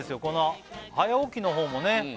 この「早起き」のほうもね